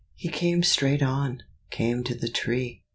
He came straight on, came to the tree.